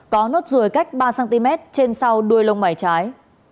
có nốt rùi cách ba cm trên sau đuôi lông bài trái